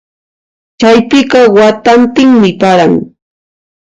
Chaypiqa watantinmi paran.